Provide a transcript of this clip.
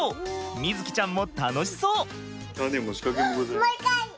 瑞己ちゃんも楽しそう！